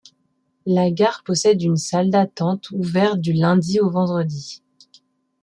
La gare possède une salle d'attente ouverte du lundi au vendredi.